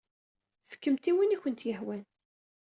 Fkemt-t i win i kent-yehwan.